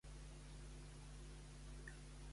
A quin partit representa Inés Arrimadas?